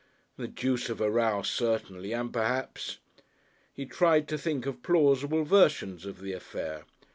The deuce of a row certainly and perhaps ! He tried to think of plausible versions of the affair.